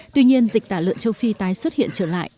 tuy nhiên dịch tả lợn châu phi tái xuất hiện trở lại